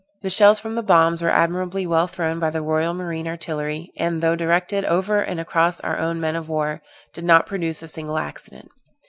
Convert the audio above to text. The shells from the bombs were admirably well thrown by the royal marine artillery, and, though directed over and across our own men of war, did not produce a single accident.